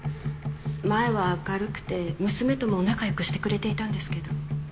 前は明るくて娘とも仲良くしてくれていたんですけど。